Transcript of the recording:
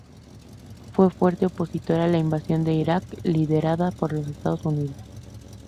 Fue fuerte opositora a la invasión de Iraq, liderada por los Estados Unidos.